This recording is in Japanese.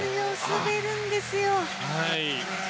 滑るんですよ。